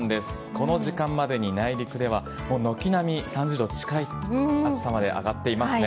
この時間までに内陸では、軒並み３０度近い暑さまで上がっていますね。